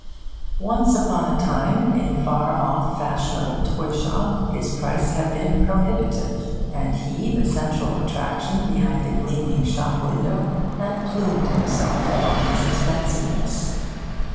Once upon a time, in a far off fashionable toy shop, his price had been prohibitive; and he, the central attraction behind the gleaming shop window, had plumed himself on his expensiveness.